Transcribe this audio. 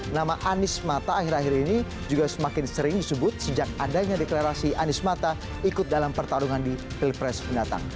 nama anies mata akhir akhir ini juga semakin sering disebut sejak adanya deklarasi anies mata ikut dalam pertarungan di pilpres mendatang